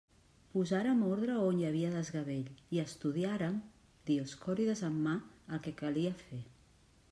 Posàrem ordre on hi havia desgavell i estudiàrem, Dioscòrides en mà, el que calia fer.